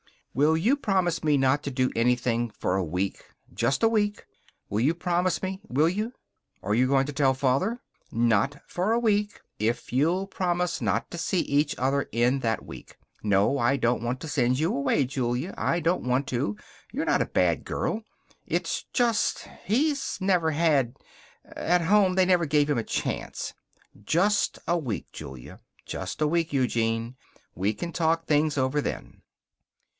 "Will you promise me not to do anything for a week? Just a week! Will you promise me? Will you?" "Are you going to tell Father?" "Not for a week, if you'll promise not to see each other in that week. No, I don't want to send you away, Julia, I don't want to.... You're not a bad girl. It's just he's never had at home they never gave him a chance. Just a week, Julia. Just a week, Eugene. We can talk things over then."